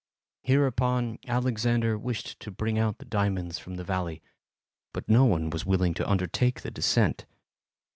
Hereupon, Alexander wished to bring out the diamonds from the valley, but no one was willing to undertake the descent.